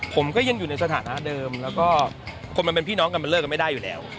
ผมก็ยังอยู่ในสถานะเดิมแล้วก็คนมันเป็นพี่น้องกันมันเลิกกันไม่ได้อยู่แล้ว